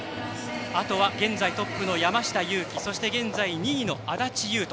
あとは現在トップの山下祐樹そして現在２位の安立雄斗。